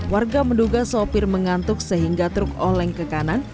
warga menduga sopir mengantuk sehingga truk oleng ke kanan